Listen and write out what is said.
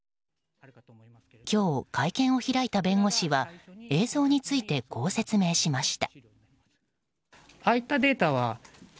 今日、会見を開いた弁護士は映像についてこう説明しました。